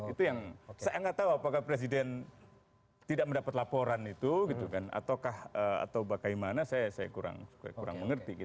itu yang saya nggak tahu apakah presiden tidak mendapat laporan itu atau bagaimana saya kurang mengerti